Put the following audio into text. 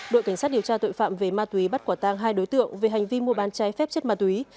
đội cảnh sát điều tra tội phạm về ma túy bắt quả tang hai đối tượng về hành vi mua bán trái phép chất ma túy